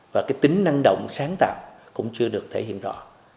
và cái tính năng động sáng tạo cũng chưa được thể hiện rõ